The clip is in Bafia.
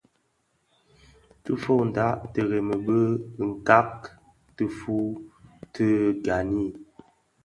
Ti foňdak tiremi bi bë nkak tifuu ti gani.